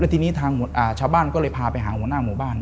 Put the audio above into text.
และที่นี่ทางหมุดชาติบ้านก็เลยพาไปหาหัวหน้ากหัวบ้าน